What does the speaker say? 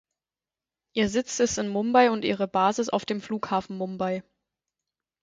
Ihr Sitz ist in Mumbai und ihre Basis auf dem Flughafen Mumbai.